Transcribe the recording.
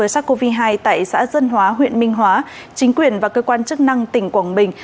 sars cov hai tại xã dân hóa huyện minh hóa chính quyền và cơ quan chức năng tỉnh quảng bình